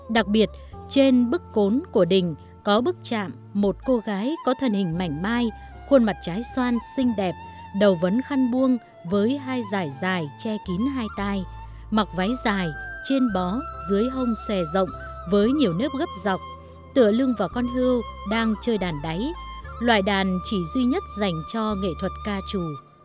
đặc biệt trên bức cốn của đình có bức chạm một cô gái có thần hình mảnh mai khuôn mặt trái xoan xinh đẹp đầu vấn khăn buông với hai giải dài che kín hai tai mặc váy dài trên bó dưới hông xòe rộng với nhiều nếp gấp dọc tửa lưng và con hươu đang chơi đàn đáy loại đàn chỉ duy nhất dành cho nghệ thuật ca trù